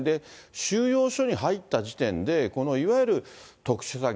収容所に入った時点で、このいわゆる特殊詐欺、